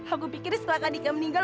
aku pikir setelah kadika meninggal